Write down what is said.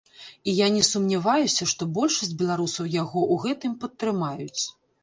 І я не сумняваюся, што большасць беларусаў яго ў гэтым падтрымаюць.